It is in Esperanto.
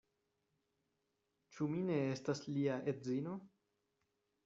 Ĉu mi ne estas lia edzino?